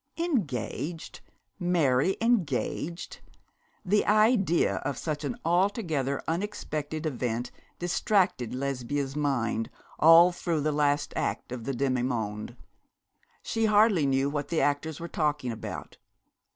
Engaged: Mary engaged! The idea of such an altogether unexpected event distracted Lesbia's mind all through the last act of the Demi monde. She hardly knew what the actors were talking about.